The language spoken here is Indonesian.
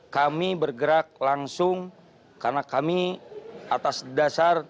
kami bergerak langsung karena kami atas dasar